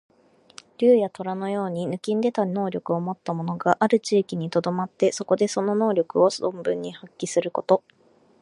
竜や、とらのように抜きんでた能力をもった者がある地域にとどまって、そこでその能力を存分に発揮すること。